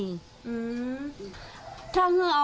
แม่อันใส่น้ำกินค่ะเหมือนล่ะค่ะ